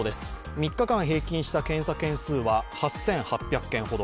３日間平均した検査件数は８８００件ほど。